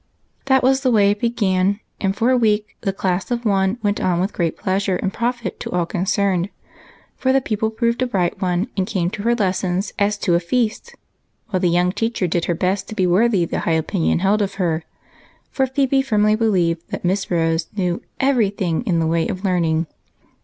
That was the way it began, and for a week the class of one went on with great pleasure and profit to all con cerned ; for the pupil proved a bright one, and came to her lessons as to a feast, w^hile the young teacher did her best to be worthy the high opinion held of her, for Phebe firmly believed that Miss Rose knew every thing in the way of learning.